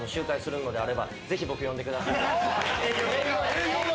営業だ。